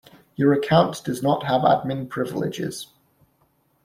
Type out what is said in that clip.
Your account does not have admin privileges.